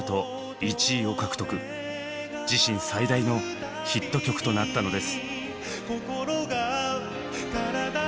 自身最大のヒット曲となったのです。